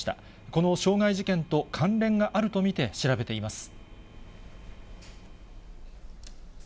この傷害事件と関連があると見て調べています。